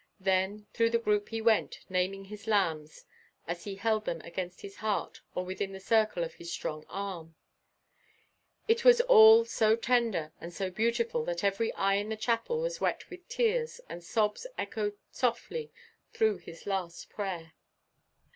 Then through the group he went, naming his lambs as he held them against his heart or within the circle of his strong arm. It was all so tender and so beautiful that every eye in the chapel was wet with tears and sobs echoed softly through his last prayer.